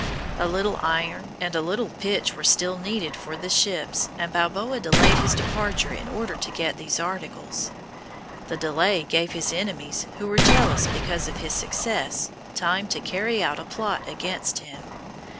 A little iron and a little pitch were still needed for the ships, and Balboa delayed his departure in order to get these articles. The delay gave his enemies, who were jealous because of his success, time to carry out a plot against him.